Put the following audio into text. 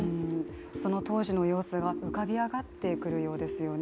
その当時の様子が浮かび上がってくるようですよね。